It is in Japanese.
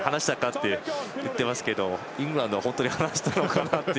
って言ってますがイングランドは本当に話したのかと。